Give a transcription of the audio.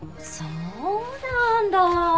そうなんだ。